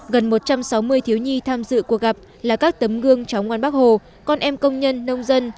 gần một trăm sáu mươi thiếu nhi tham dự cuộc gặp là các tấm gương cháu ngoan bác hồ con em công nhân nông dân